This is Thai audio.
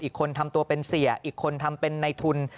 อีกคนทำตัวเป็นเสียอีกคนทำเป็นในทุน